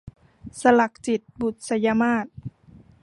สลักจิต - บุษยมาส